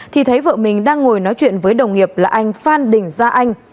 thì thấy vợ mình đang ngồi nói chuyện với đồng nghiệp là anh phan đình gia anh